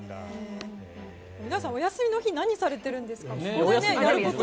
皆さんお休みの日は何をされるんですかね。